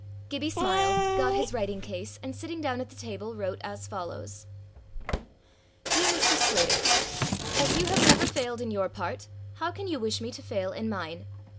Gibbie smiled, got his writing case, and sitting down at the table, wrote as follows: "Dear Mr. Sclater, As you have never failed in your part, how can you wish me to fail in mine?